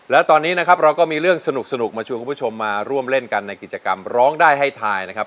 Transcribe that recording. และตอนนี้นะครับเราก็มีเรื่องสนุกมาชวนคุณผู้ชมมาร่วมเล่นกันในกิจกรรมร้องได้ให้ทายนะครับ